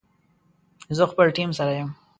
زه خپل ټیم سره یم